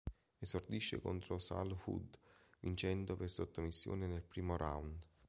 Esordisce contro Sal Woods, vincendo per sottomissione nel primo round.